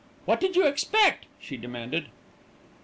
"What did you expect?" she demanded.